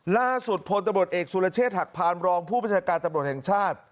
ล่าสุดพลตำรวจเอกสุรเชษฐหักพานรองผู้ประชาการตำรวจแห่งชาติ